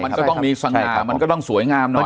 มันก็ต้องมีสง่ามันก็ต้องสวยงามหน่อย